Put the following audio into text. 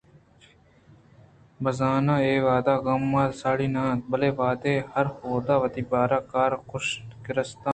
بِہ زان اے وہدءَغم ادءَ ساڑی نہ اَت: بلے وہدے ہر حُدا ءَ وتی بہر ءِ کارءُ کُنش کہ رستاں